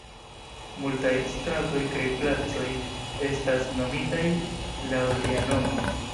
Multaj stratoj kaj placoj estas nomitaj laŭ lia nomo.